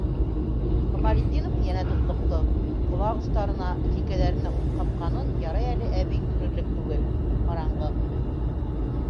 - Камалетдинов йәнә тотлоҡто, колаҡ остарына, сикәләренә ут ҡапҡанын ярай әле әбей күрерлек түгел, ҡараңғы.